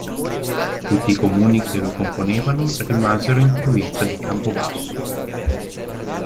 Tutti i comuni che lo componevano rimasero in provincia di Campobasso.